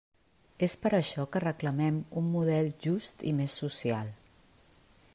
És per això que reclamem un model just i més social.